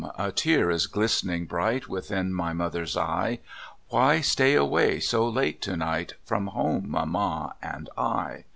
a tear is glistening bright Within m\ mother's eye; Why stay away so late to night From home, mamma, and 1?